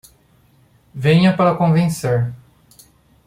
Venha para convencer